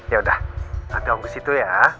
yaudah nanti aku kesitu ya